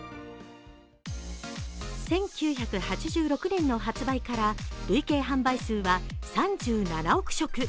１９８６年の発売から累計販売数は３７億食。